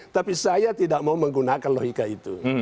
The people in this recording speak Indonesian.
tapi saya tidak mau menggunakan logika itu